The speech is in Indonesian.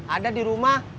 ada di rumah